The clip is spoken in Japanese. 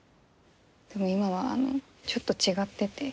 でも今はあのちょっと違ってて。